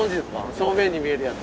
正面に見えるやつ。